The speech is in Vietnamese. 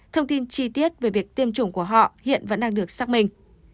thông tin chi tiết về việc tiêm chủng của họ hiện vẫn đang được xác minh